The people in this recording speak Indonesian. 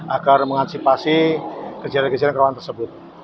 agar mengaksipasi kejar kejaran keruan tersebut